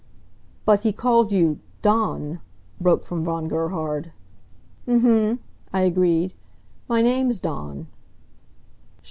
"But he called you Dawn," broke from Von Gerhard. "Mhum," I agreed. "My name's Dawn."